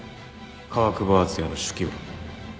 川久保敦也の手記は